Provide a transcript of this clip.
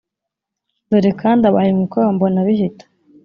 dore kandi abaye umukwe wa mbonabihita.